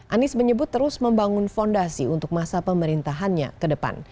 anies menyebut terus membangun fondasi untuk masa pemerintahannya ke depan